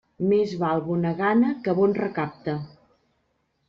Més val bona gana que bon recapte.